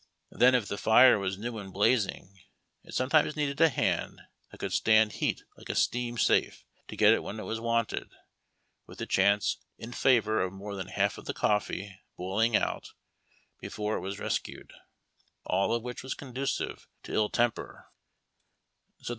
Then if the fire was new and blazing, it sometimes needed a hand that could stand heat like a steam safe to get it when it was wanted, with the chance in favor of more than half of the coffee boiling out before it was rescued, all of which was conducive to ill temper, so that AEMY PiATIONS.